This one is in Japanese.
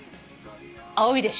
青いでしょ。